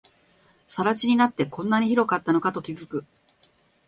更地になって、こんなに広かったのかと気づく